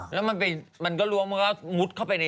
แล้วมันก็ล้วงมันก็มุดเข้าไปใน